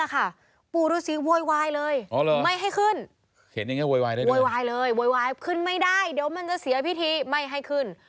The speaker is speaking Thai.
ขึ้นไม่ได้เดี๋ยวมันจะเสียพิธีไม่ให้ขึ้น